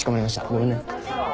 ごめんね。